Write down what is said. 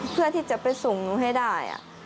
เพื่อที่จะไปส่งหนูให้ได้